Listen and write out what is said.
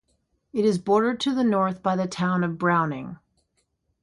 It is bordered to the north by the town of Browning.